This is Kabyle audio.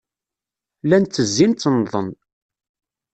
Llan ttezzin, ttennḍen.